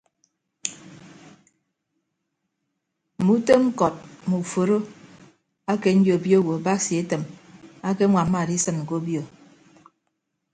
Mme utom ñkọt mme uforo ake nyobio owo basi etịm akeñwamma adisịn ke obio.